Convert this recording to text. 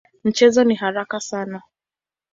Mchezo ni haraka sana.